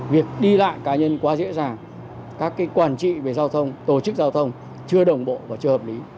việc đi lại cá nhân quá dễ dàng các quản trị về giao thông tổ chức giao thông chưa đồng bộ và chưa hợp lý